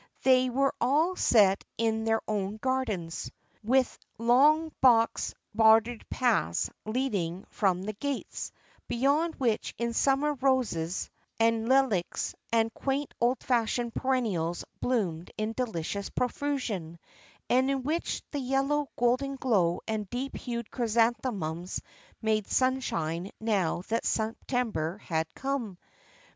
They were all set in their own gardens, with long box bordered paths lead ing from the gates, beyond which in summer roses and lilacs and quaint old fashioned perennials bloomed in delicious profusion, and in which the yellow golden glow and deep hued chrysanthe mums made sunshine now that September had come.